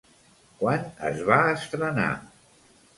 Quan es va estrenar?